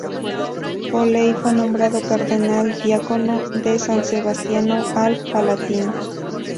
Foley fue nombrado cardenal diácono de "San Sebastiano al Palatino".